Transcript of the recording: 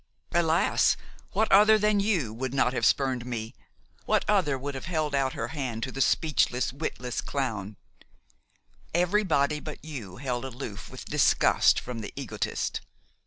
Alas! what other than you would not have spurned me? what other would have held out her hand to that speechless, witless clown? Everybody but you held aloof with disgust from the egotist!